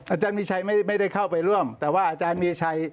อาจารย์มีชัยไม่ได้เข้าไปร่วมแต่ว่าอาจารย์มีชัย